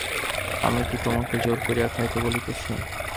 আমি কি তোমাকে জোর করিয়া খাইতে বলিতেছি?